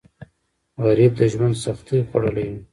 غریب د ژوند سختۍ خوړلي وي